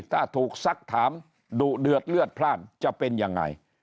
ถ้าถูกซักถามดุเดือดเลือดพลาดจะเป็นยังไง